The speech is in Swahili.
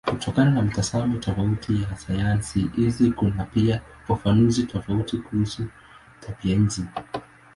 Kutokana na mitazamo tofauti ya sayansi hizi kuna pia ufafanuzi tofauti kuhusu tabianchi.